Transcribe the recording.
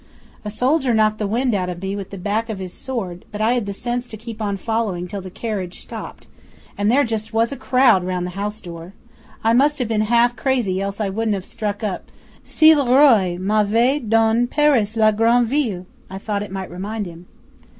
'A soldier knocked the wind out of me with the back of his sword, but I had sense to keep on following till the carriage stopped and there just was a crowd round the house door! I must have been half crazy else I wouldn't have struck up "Si le Roi m'avait donne Paris la grande ville!" I thought it might remind him.